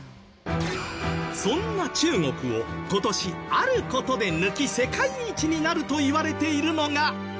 そんな中国を今年ある事で抜き世界一になるといわれているのがインド。